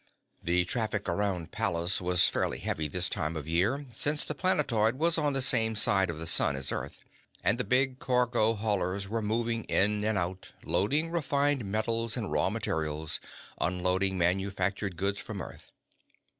The traffic around Pallas was fairly heavy this time of year, since the planetoid was on the same side of the sun as Earth, and the big cargo haulers were moving in and out, loading refined metals and raw materials, unloading manufactured goods from Earth.